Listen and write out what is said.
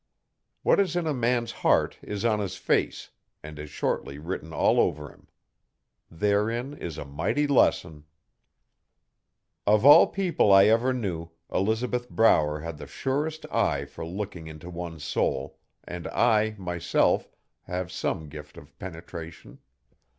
What is in a man's heart is on his face, and is shortly written all over him. Therein is a mighty lesson. Of all people I ever knew Elizabeth Brower had the surest eye for looking into one's soul, and I, myself, have some gift of penetration.